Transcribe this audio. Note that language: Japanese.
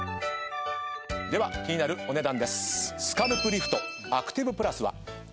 では気になるお値段です。